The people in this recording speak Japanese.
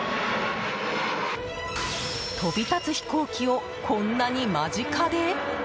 飛び立つ飛行機をこんなに間近で？